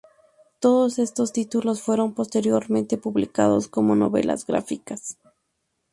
Todos estos títulos fueron posteriormente publicados como novelas gráficas.